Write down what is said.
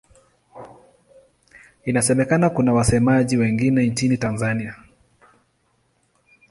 Inasemekana kuna wasemaji wengine nchini Tanzania.